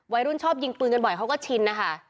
วัยรุ่นชอบยิงปืนกันบ่อยเขาก็ชินค่ะ